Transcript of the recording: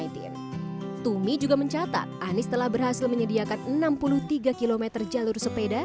tumi juga mencatat anies telah berhasil menyediakan enam puluh tiga km jalur sepeda